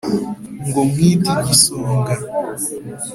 ngo wmite igisonga.